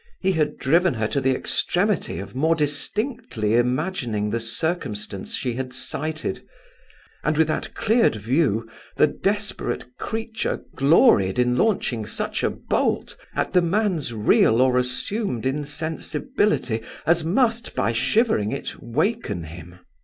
He had driven her to the extremity of more distinctly imagining the circumstance she had cited, and with that cleared view the desperate creature gloried in launching such a bolt at the man's real or assumed insensibility as must, by shivering it, waken him.